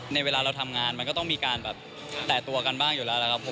ในเวลาเราทำงานมันก็ต้องมีการแบบแต่ตัวกันบ้างอยู่แล้วนะครับผม